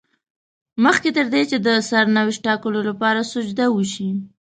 مخکې تر دې چې د سرنوشت ټاکلو لپاره سجده وشي.